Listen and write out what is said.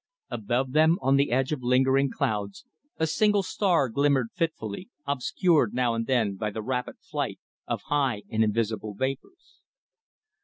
Above them, on the edge of lingering clouds, a single star glimmered fitfully, obscured now and then by the rapid flight of high and invisible vapours.